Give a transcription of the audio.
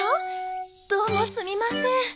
どうもすみません。